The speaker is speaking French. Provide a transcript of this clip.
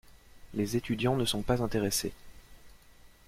Les étudiants ne sont pas intéressés.